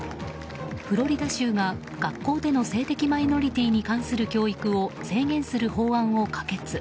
フロリダ州が学校での性的マイノリティーに関する教育を制限する法案を可決。